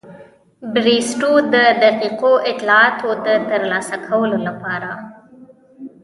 بریسټو د دقیقو اطلاعاتو د ترلاسه کولو لپاره.